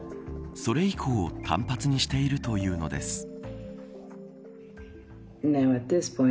それ以降短髪にしているというのです。